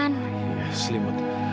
negerinas yang maju ngetul yang hindu